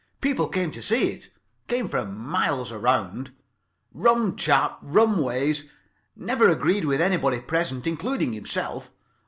People came to see it. Came from miles around. "Rum chap. Rum ways. Never agreed with anybody present, including himself.